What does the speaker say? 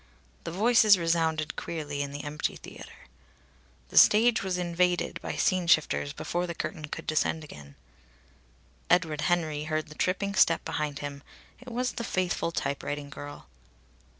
The voices resounded queerly in the empty theatre. The stage was invaded by scene shifters before the curtain could descend again. Edward Henry heard a tripping step behind him. It was the faithful typewriting girl.